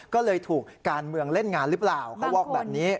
ก็เลยถูกการเมืองเล่นงานหรือเปล่าเขาบอกแบบนี้